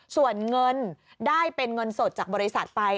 ส่วนเงินได้เป็นเงินสดจากบริษัทไป